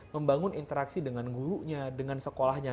membangun interaksi dengan gurunya dengan sekolahnya